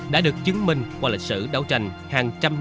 đã được chứng minh qua lịch sử đấu tranh